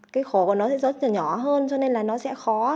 cái khổ của nó sẽ rất là nhỏ hơn cho nên là nó sẽ khó